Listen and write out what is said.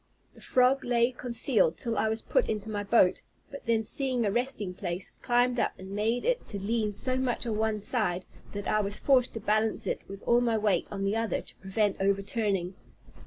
The frog lay concealed till I was put into my boat, but then seeing a resting place, climbed up, and made it to lean so much on one side, that I was forced to balance it with all my weight on the other to prevent overturning.